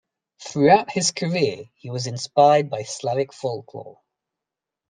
Throughout his career, he was inspired by Slavic folklore.